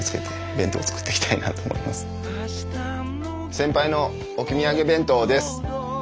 「先輩の置き土産弁当」です。